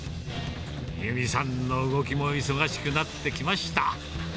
裕美さんの動きも忙しくなってきました。